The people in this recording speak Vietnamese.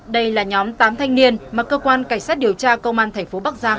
đây là nhóm tám thanh niên mà cơ quan cảnh sát điều tra công an thành phố bắc giang